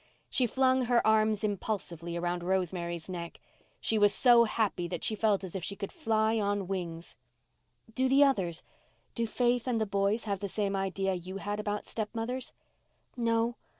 She flung her arms impulsively round Rosemary's neck. She was so happy that she felt as if she could fly on wings. "Do the others—do Faith and the boys have the same idea you had about stepmothers?" "No.